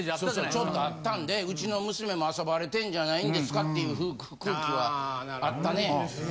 そうそうちょっとあったんでうちの娘も遊ばれてんじゃないんですかっていう空気はあったね。